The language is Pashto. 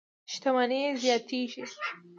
شتمنۍ زیاتېږي.